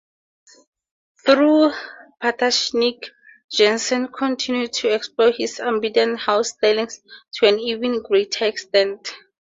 Through "Patashnik", Jenssen continued to explore his ambient-house stylings to an even greater extent.